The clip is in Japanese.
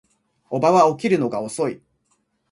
叔母は起きるのが遅い